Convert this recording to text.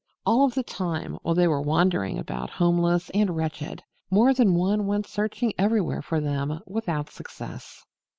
All the time, while they were wandering about homeless and wretched, more than one went searching everywhere for them without success.